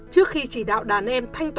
trước khi chỉ đạo đàn em thanh toán